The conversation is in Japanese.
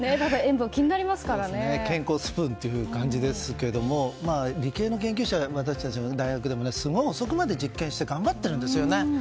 健康スプーンという感じですが理系の研究者、私たちの大学でもすごい遅くまで実験して頑張っているんですよね。